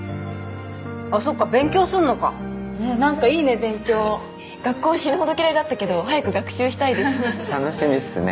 あっそっか勉強すんのかえっなんかいいね勉強学校死ぬほど嫌いだったけど早く学習したいですははっ楽しみっすね